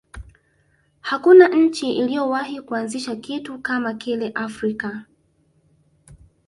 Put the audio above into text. hakuna nchi iliyowahi kuanzisha kitu kama kile afrika